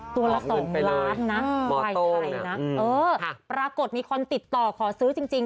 ตัวละ๒ล้านนะควายไทยนะเออปรากฏมีคนติดต่อขอซื้อจริง